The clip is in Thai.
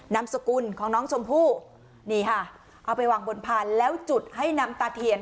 นามสกุลของน้องชมพู่นี่ค่ะเอาไปวางบนพานแล้วจุดให้น้ำตาเทียน